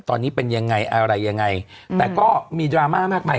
ตอนนี้เป็นยังไงอะไรยังไงแต่ก็มีดราม่ามากมาย